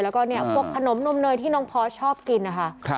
แล้วก็เนี่ยพวกขนมนมเนยที่น้องพอสชอบกินนะคะ